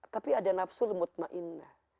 tapi ada nafsu lemut ma'inah